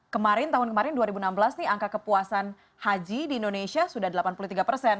karena tahun kemarin dua ribu enam belas angka kepuasan haji di indonesia sudah delapan puluh tiga persen